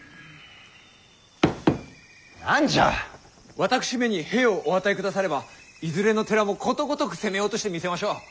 私めに兵をお与えくださればいずれの寺もことごとく攻め落としてみせましょう。